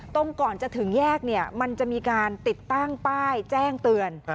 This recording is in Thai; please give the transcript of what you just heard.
ก่อนจะถึงแยกเนี่ยมันจะมีการติดตั้งป้ายแจ้งเตือน